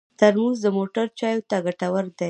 ترموز د موټر چایو ته ګټور دی.